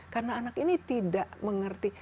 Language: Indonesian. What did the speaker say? karena anak ini tidak mengerti